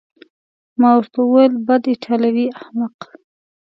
ما ورته وویل: بد، ایټالوی احمق.